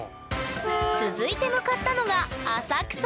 続いて向かったのが浅草！